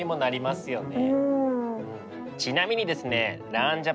ちなみにですね